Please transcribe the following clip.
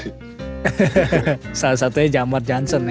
hahaha salah satunya jamar johnson ya